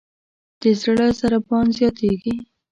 د زړه ضربان زیاتېږي.